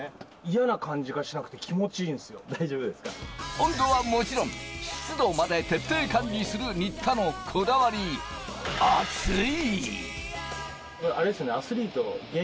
温度はもちろん、湿度まで徹底管理する新田のこだわり、アツい！